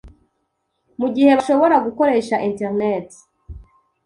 mu gihe bashobora gukoresha internet.